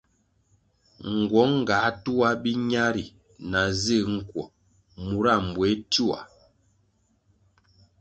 Nguong ga tuah biña ri na zig nkuo mura mbuéh tioa.